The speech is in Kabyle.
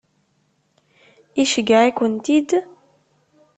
Iceyyeε-ikent-id?